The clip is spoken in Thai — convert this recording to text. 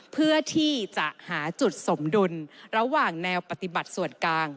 เพื่อที่จะหาจุดสมดุลระหว่างแนวปฏิบัติส่วนกลาง